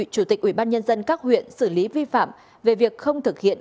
chủ tịch ubnd các huyện xử lý vi phạm về việc không thực hiện